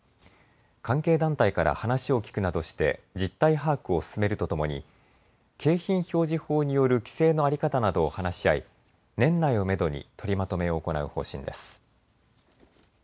関係団体から話を聞くなどして実態把握を進めるとともに、景品表示法による規制の在り方などを話し合い年内をめどに取りまとめを行う方針です。